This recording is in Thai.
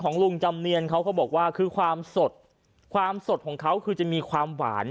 ลุงจำเนียนเขาก็บอกว่าคือความสดความสดของเขาคือจะมีความหวาน